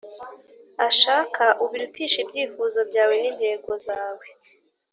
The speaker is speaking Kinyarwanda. ashaka ubirutishe ibyifuzo byawe n intego zawe